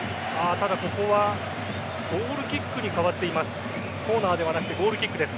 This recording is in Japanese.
ただ、ここはゴールキックに変わっています。